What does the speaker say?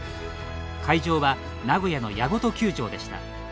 会場は名古屋の八事球場でした。